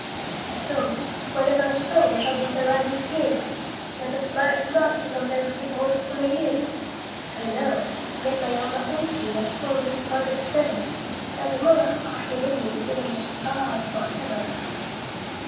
At home, where never a sorrow Shall dim their eyes with tears! Where the smile of God is on them Through all the summer years! I know, yet my arms are empty, That fondly folded seven, And the mother heart within me Is almost starved for heaven.